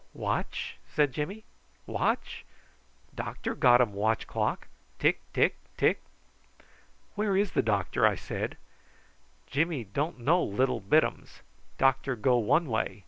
"Watch?" said Jimmy; "watch? Doctor got um watch clock. Tick, tick, tick!" "Where is the doctor?" I said. "Jimmy don't know little bitums. Doctor go one way.